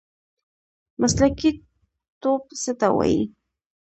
مسلکي توب څه ته وایي؟